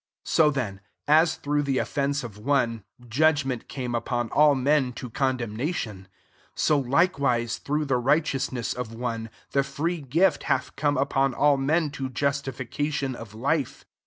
18 So then, as through the offence of one, judgment came upon all men to condemnation ; so likewise, through the righte ousness of one, the free gift hath come upon all men to justifica tion of life.